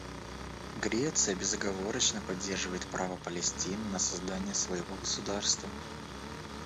Греция безоговорочно поддерживает право Палестины на создание своего государства.